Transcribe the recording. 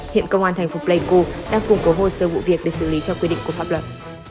hiện công an thành phố pleiku đang củng cố hồ sơ vụ việc để xử lý theo quy định của pháp luật